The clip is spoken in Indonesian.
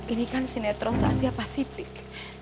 ini kan sinetron se asia pasifik